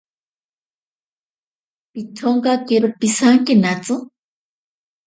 Pitsonkakero pisankenatsi.